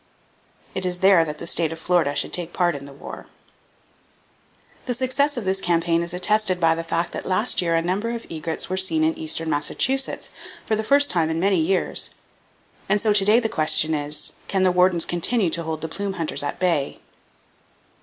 It is there that the state of Florida should take part in the war. The success of this campaign is attested by the fact that last year a number of egrets were seen in eastern Massachusetts—for the first time in many years. And so to day the question is, can the wardens continue to hold the plume hunters at bay?